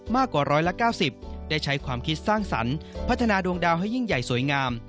กว่า๑๙๐ได้ใช้ความคิดสร้างสรรค์พัฒนาดวงดาวให้ยิ่งใหญ่สวยงาม